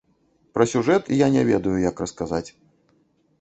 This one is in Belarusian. Пра сюжэт я не ведаю, як расказаць.